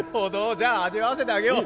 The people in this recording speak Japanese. じゃあ味わわせてあげよう。